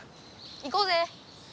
いこうぜ。